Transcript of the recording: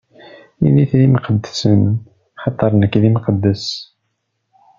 Ilit d imqeddsen, axaṭer nekk d Imqeddes.